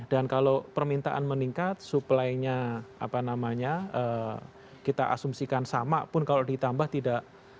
dan kalau permintaan meningkat supply nya kita asumsikan sama pun kalau ditambah tidak